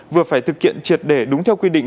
vừa phải thực hiện triệt để đúng theo quy định